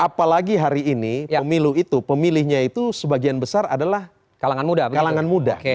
apalagi hari ini pemilu itu pemilihnya itu sebagian besar adalah kalangan muda